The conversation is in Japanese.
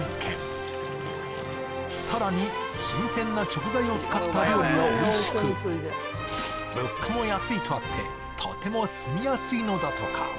更に新鮮な食材を使った料理はおいしく、物価も安いとあってとても住みやすい。